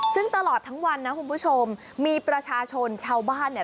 ซึ่งตลอดทั้งวันนะคุณผู้ชมมีประชาชนชาวบ้านเนี่ย